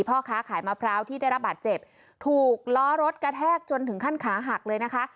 พ่อค้าขายมะพร้าวที่ได้รับบาดเจ็บถูกล้อรถกระแทกจนถึงขั้นขาหักเลยนะคะ